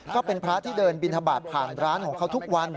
ก็เป็นพระที่เดินบินทบาทผ่านร้านของเขาทุกวัน